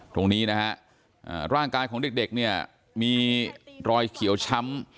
ตรงนี้นะฮะร่างกายของเด็กเนี่ยมีรอยเขียวช้ำ